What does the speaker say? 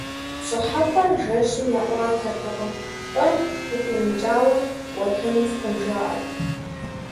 ПщӀыхьэпӀэр жэщым яӀуатэртэкъым, пӀэм укъимыкӀауэ пӀуэтэну фӀыкъым, жаӀэрт.